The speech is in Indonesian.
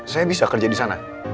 saya bisa kerja di sana